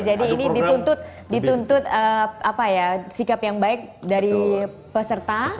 jadi ini dituntut sikap yang baik dari peserta